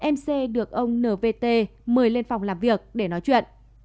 mc được ông nvt mời lên phòng làm việc để nói chuyện